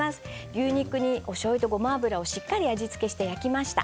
牛肉におしょうゆとごま油で下味をしっかり付けてから焼きました。